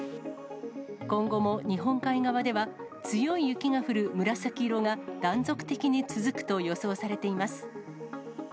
今後も日本海側では、強い雪が降る紫色が、断続的に続くと予想されています。